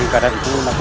kau amuk maluku